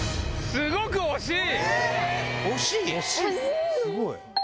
すごい！